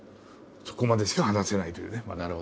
そこまでしか話せないというねまだ。